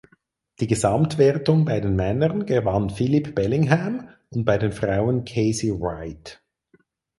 Die Gesamtwertung bei den Männern gewann Phillip Bellingham und bei den Frauen Casey Wright.